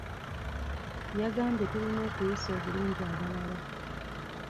Yagambye tulina okuyisa obulungi abalala.